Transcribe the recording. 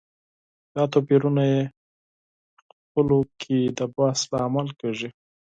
دا توپيرونه یې خپله کې د بحث لامل کېږي.